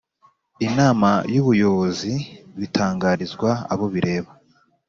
Inama y Ubuyobozi bitangarizwa abo bireba